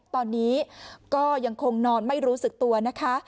ตอนนี้ก็ยังคงนอนไม่รู้สึกตัวนะคะ